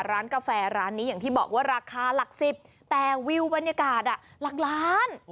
ร้านกาแฟร้านนี้อย่างที่บอกว่าราคาหลักสิบแต่วิวบรรยากาศหลักล้าน